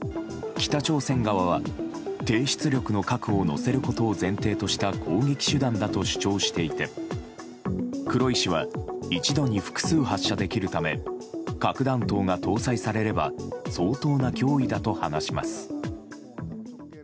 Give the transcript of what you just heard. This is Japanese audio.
北朝鮮側は低出力の核を載せることを前提とした攻撃手段だと主張していて黒井氏は一度に複数発射できるため核弾頭が搭載されれば相当な脅威だと話します。